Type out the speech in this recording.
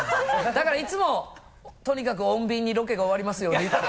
だからいつもとにかく穏便にロケが終わりますようにって。